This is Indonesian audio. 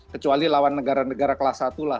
kecuali lawan negara negara kelas satu lah